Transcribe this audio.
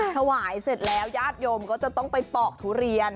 ถวายเสร็จแล้วญาติโยมก็จะต้องไปปอกทุเรียน